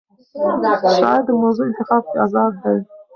شاعر د موضوع انتخاب کې آزاد دی.